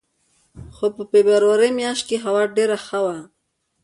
خو په فبروري میاشت کې هوا ډېره ښه وه.